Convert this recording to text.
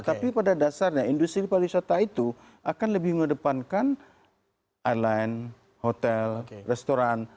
karena pada dasarnya industri pariwisata itu akan lebih mengedepankan airline hotel restoran